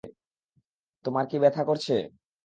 তোমার কি ব্যাথা করছে?